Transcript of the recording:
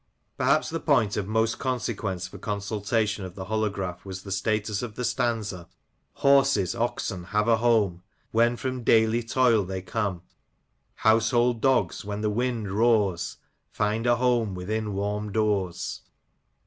Perhaps the point of most consequence for consultation of the holograph was the status of the stanza —Horses, oxen, have a home, When from daily toil they come ; Household dogs, when the wind roars, Find a home within warm doors."